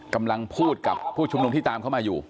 กำลังพูดกับผู้ชุมนุมที่ตามเข้ามาอยู่